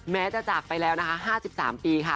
แม้จะจากไปแล้วนะคะ๕๓ปีค่ะ